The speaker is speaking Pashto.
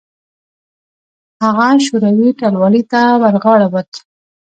هغه شوروي ټلوالې ته ورغاړه وت.